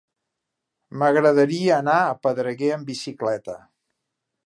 M'agradaria anar a Pedreguer amb bicicleta.